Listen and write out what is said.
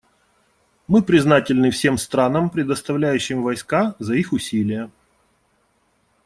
Мы признательны всем странам, предоставляющим войска, за их усилия.